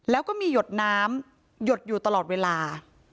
แล้วก็ยดน้ำตลอดเวลา